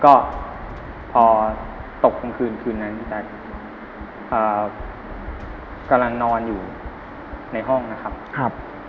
ก็พอตกทุ่นคืนนั้นจากกำลังนอนอยู่ในห้องนะครับ